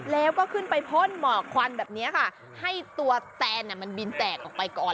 แล้วก็ขึ้นไปพ่นหมอกควันแบบนี้ค่ะให้ตัวแตนมันบินแตกออกไปก่อน